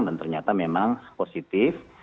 dan ternyata memang positif